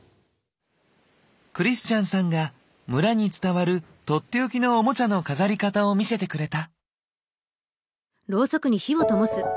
クリスチャンさんが村に伝わる取って置きのオモチャの飾り方を見せてくれた。